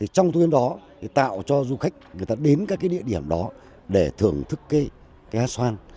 trong tuyến đó tạo cho du khách đến các địa điểm đó để thưởng thức cái hát xoan